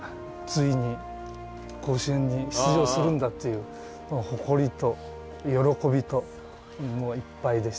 ついに甲子園に出場するんだという誇りと喜びともういっぱいでしたね。